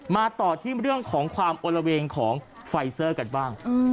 มาต่อที่เรื่องของความโอละเวงของไฟเซอร์กันบ้าง